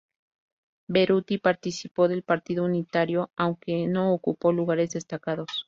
Beruti participó del Partido Unitario, aunque no ocupó lugares destacados.